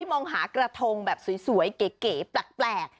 มองหากระทงแบบสวยเก๋แปลก